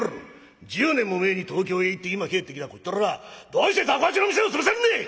１０年も前に東京へ行って今帰ってきたこっちとらどうして雑穀八の店を潰せるんでい！